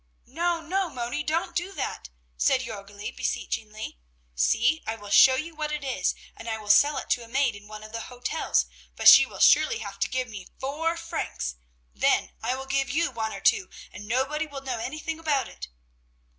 "No, no, Moni, don't do that," said Jörgli, beseechingly. "See, I will show you what it is, and I will sell it to a maid in one of the hotels, but she will surely have to give me four francs; then I will give you one or two, and nobody will know anything about it."